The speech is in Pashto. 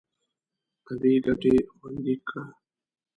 طبیعي ګټې خوندي کړه.